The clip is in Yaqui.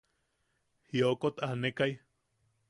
Jiokot aanekai.